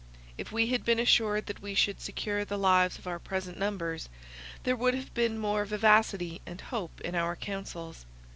If we had been assured that we should secure the lives of our present numbers, there would have been more vivacity and hope in our councils.